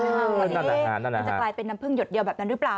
นั่นแหละมันจะกลายเป็นน้ำพึ่งหยดเดียวแบบนั้นหรือเปล่า